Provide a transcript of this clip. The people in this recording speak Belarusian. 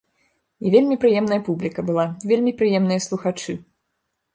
І вельмі прыемная публіка была, вельмі прыемныя слухачы.